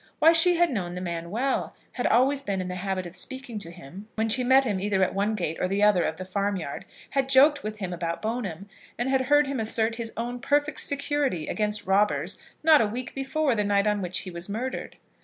Why she had known the old man well, had always been in the habit of speaking to him when she met him either at the one gate or the other of the farmyard, had joked with him about Bone'm, and had heard him assert his own perfect security against robbers not a week before the night on which he was murdered!